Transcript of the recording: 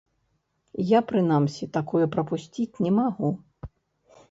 Я, прынамсі, такое прапусціць не магу.